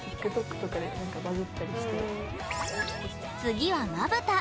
次は、まぶた。